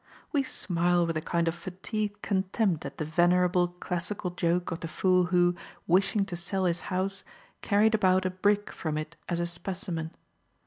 We smile with a kind of fatigued contempt at the venerable classical joke of the fool who, wishing to sell his house, carried about a brick from it as a specimen.